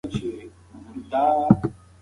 که میندې خبرې وکړي نو ستونزه به نه پاتې کېږي.